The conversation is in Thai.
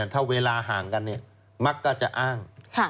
ถ้าเวลาห่างกันมักก็จะอ้าง